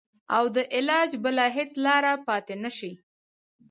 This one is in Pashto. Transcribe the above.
او د علاج بله هېڅ لاره پاته نه شي.